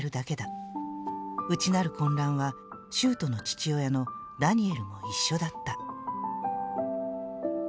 内なる混乱は、秀斗の父親のダニエルも一緒だった」。